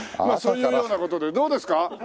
まあそういうような事でどうですか？